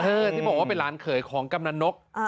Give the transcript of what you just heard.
เฮ่ยเป็นล้านเขยของกำนันโน๊ก